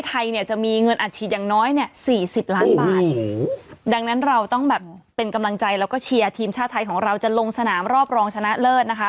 ไทยของเราจะลงสนามรอบรองชนะเลิศนะคะ